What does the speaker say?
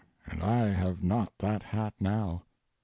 I have not that hat now.